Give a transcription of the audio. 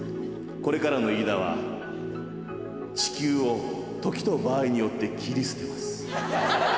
これからのイイダは地球を時と場合によって切り捨てます。